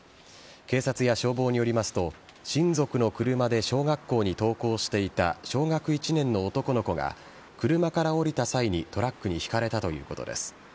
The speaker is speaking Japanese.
警察や消防によりますと親族の車で小学校に登校していた小学１年の男の子が車から降りた際にトラックにひかれたということです。